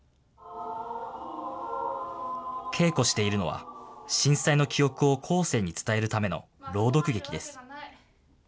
稽古しているのは、震災の記憶を後世に伝えるための朗読劇です。